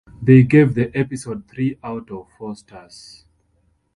They gave the episode three out of four stars.